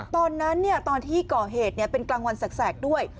ตอนที่ก่อเหตุเป็นกลางวันแสกด้วย